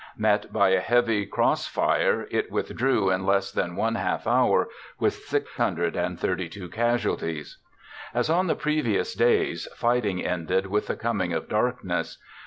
Met by a heavy crossfire, it withdrew in less than one half hour, with 632 casualties. As on the previous days, fighting ended with the coming of darkness.